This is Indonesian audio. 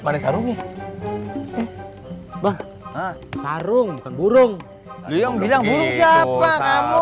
baru nih ayo bah sarung dan burung iya ngomong apa terus eh ini buat ketup leropati baca makhluk